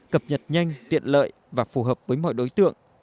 cập nhật nhanh tiện lợi và phù hợp với mọi đối tượng